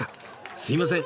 すいません。